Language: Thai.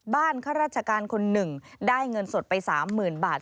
บ้านข้าราชการคน๑ได้เงินสดไปสามหมื่นบาท